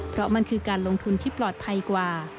เพราะมันคือการลงทุนที่ปลอดภัยกว่า